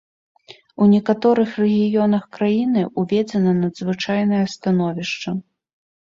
У некаторых рэгіёнах краіны ўведзена надзвычайнае становішча.